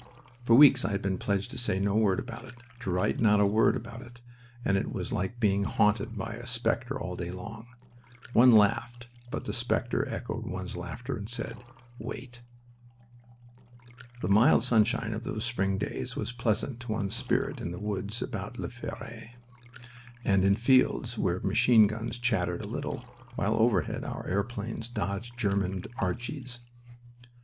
For weeks I had been pledged to say no word about it, to write not a word about it, and it was like being haunted by a specter all day long. One laughed, but the specter echoed one's laughter and said, "Wait!" The mild sunshine of those spring days was pleasant to one's spirit in the woods above La Fere, and in fields where machine guns chattered a little, while overhead our airplanes dodged German "Archies."